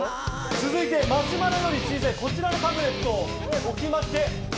続いて、マシュマロより小さいこちらのタブレット。